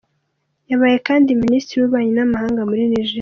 Yabaye kandi Minisitiri w’Ububanyi n’Amahanga muri Niger.